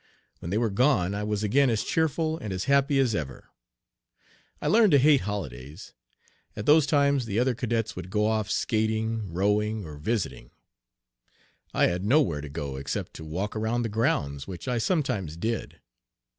When they were gone I was again as cheerful and as happy as ever. I learned to hate holidays. At those times the other cadets would go off skating, rowing, or visiting. I had no where to go except to walk around the grounds, which I sometimes did.